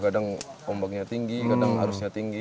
kadang ombaknya tinggi kadang arusnya tinggi